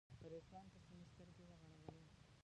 په رضوان پسې مې سترګې وغړولې.